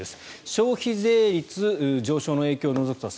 消費税率上昇の影響を除くと